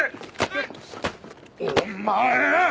お前！